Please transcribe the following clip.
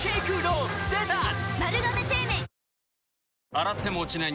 洗っても落ちない